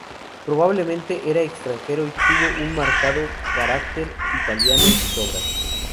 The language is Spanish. Probablemente era extranjero y tuvo un marcado carácter italiano en sus obras.